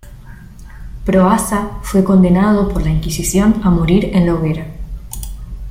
Proaza fue condenado por la Inquisición a morir en la hoguera.